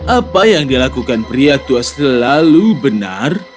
apa yang dilakukan pria tua selalu benar